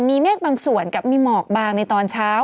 มีเมฆบางส่วนกับมีหมอกบางในตอนเช้า